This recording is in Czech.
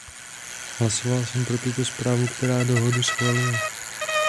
Hlasoval jsem pro tuto zprávu, která dohodu schvaluje.